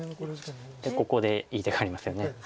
ここでいい手がありますよね。